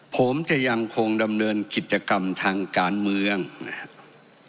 ผมจะยังคงดำเนินกิจกรรมทางการเมืองนะครับ